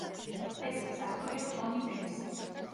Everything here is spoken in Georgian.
ტექსტის ავტორია ტონი ბენქსი.